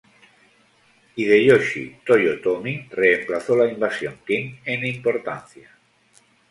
Hideyoshi Toyotomi reemplazó la invasión Qing en importancia.